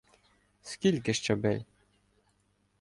— Скільки щабель?